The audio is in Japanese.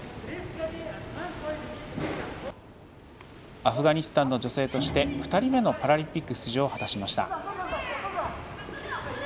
アフガニスタンの女性として２人目のパラリンピック出場を果たしました。